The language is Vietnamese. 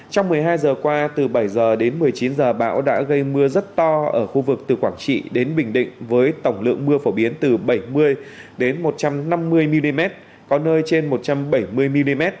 trong một mươi hai giờ qua từ bảy h đến một mươi chín h bão đã gây mưa rất to ở khu vực từ quảng trị đến bình định với tổng lượng mưa phổ biến từ bảy mươi đến một trăm năm mươi mm có nơi trên một trăm bảy mươi mm